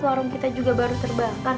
warung kita juga baru terbakar